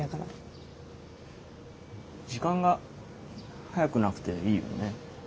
時間が速くなくていいよね。